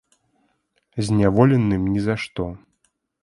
Зняволеным ні за што.